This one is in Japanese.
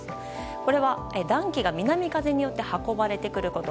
これは、暖気が南風によって運ばれてくること。